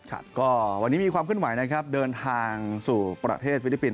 ครับก็วันนี้มีความเคลื่อนไหวนะครับเดินทางสู่ประเทศฟิลิปปินส